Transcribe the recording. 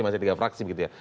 masih tiga fraksi begitu ya